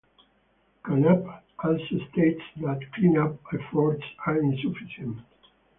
Conanp also states that cleanup efforts are insufficient.